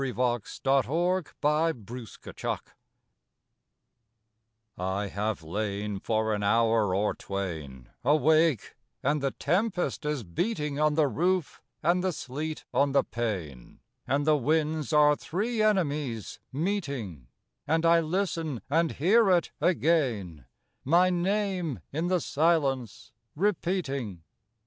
WHAT DREAMS MAY COME I have lain for an hour or twain Awake, and the tempest is beating On the roof and the sleet on the pane, And the winds are three enemies meeting; And I listen and hear it again, My name, in the silence, repeating.